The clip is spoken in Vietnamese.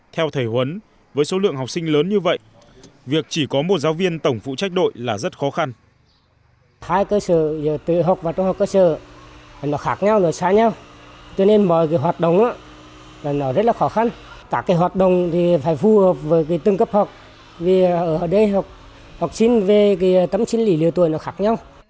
theo thầy huấn với số lượng học sinh lớn như vậy việc chỉ có một giáo viên tổng phụ trách đội là rất khó khăn